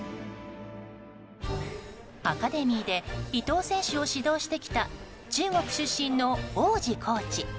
アカデミーで伊藤選手を指導してきた中国出身の王子コーチ。